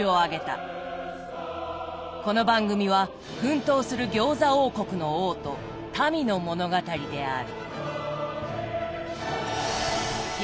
この番組は奮闘する餃子王国の王と民の物語である。